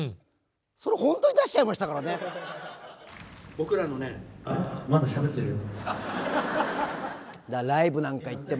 僕らのねまだしゃべってるよ。